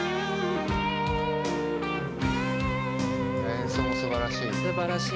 演奏もすばらしい。